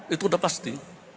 itu sudah pasti